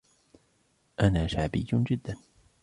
أنا شعبي جداً.